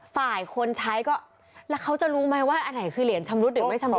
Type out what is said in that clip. ฝ่ายคนใช้ก็แล้วเขาจะรู้ไหมว่าอันไหนคือเหรียญชำรุดหรือไม่ชำรุด